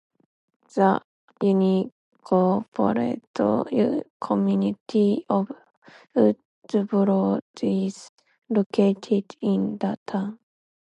The unincorporated community of Woodboro is located in the town.